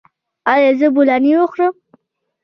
ایا زه بولاني وخورم؟